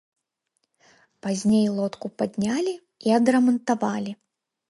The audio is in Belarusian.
Пазней лодку паднялі і адрамантавалі.